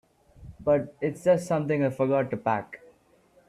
But it's just something I forgot to pack.